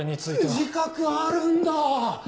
自覚あるんだ。